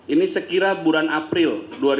ini sekira bulan april dua ribu sembilan belas